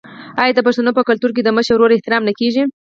آیا د پښتنو په کلتور کې د مشر ورور احترام نه کیږي؟